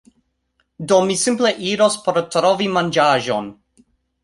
Do, mi simple iros por trovi manĝaĵon